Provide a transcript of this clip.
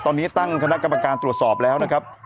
ตอนนี้ตั้งคณะกรรมการตรวจสอบแล้วนะครับ